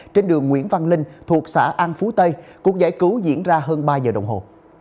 trên đường nguyễn văn linh thuộc xã an phú tây cuộc giải cứu diễn ra hơn ba giờ đồng hồ